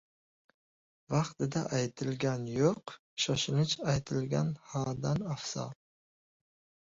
• Vaqtida aytilgan «yo‘q», shoshilib aytilgan «ha»dan afzal.